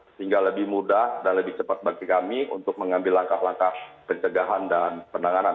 sehingga lebih mudah dan lebih cepat bagi kami untuk mengambil langkah langkah pencegahan dan penanganan